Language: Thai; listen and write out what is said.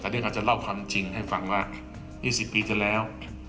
แต่ในที่ขาจะเล่าความจริงให้ฟังว่าห้ยสิบปีเจอแล้ว